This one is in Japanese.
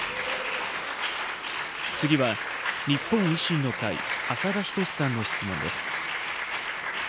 次は、日本維新の会、浅田均さんの質問です。